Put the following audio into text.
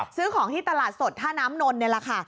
ซื้อของที่ตลาดสดท่าน้ำนนท์นี่แหละค่ะ